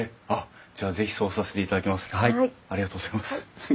じゃあ是非そうさせていただきます。